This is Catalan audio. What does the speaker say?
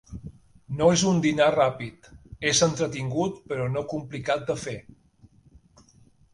No és un dinar ràpid, és entretingut però no complicat de fer.